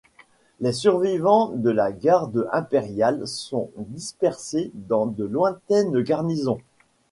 Les survivants de la Garde impériale sont dispersés dans de lointaines garnisons.